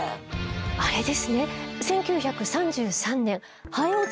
あれですね。